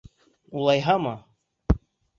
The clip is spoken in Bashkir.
Улайһамы...